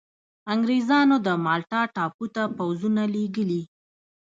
انګرېزانو د مالټا ټاپو ته پوځونه لېږلي.